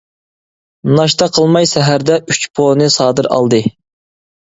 ناشتا قىلماي سەھەردە، ئۈچ پونى سادىر ئالدى.